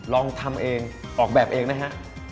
ลองทำเองออกแบบเองนะฮะ